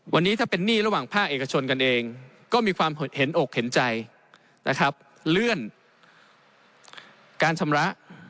วันนี้ถ้าเป็นหนี้ระหว่างภาคเอกชนกันเองก็มีความเห็นอกเห็นใจนะครับเลื่อนการชำระ